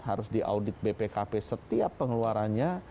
harus diaudit bpkp setiap pengeluarannya